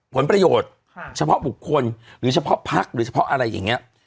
ผลประโยชน์เฉพาะบุคคลหรือเฉพาะพักหรือเฉพาะอะไรอย่างนี้